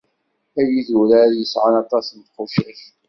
Ay idurar yesɛan aṭas n tqucac.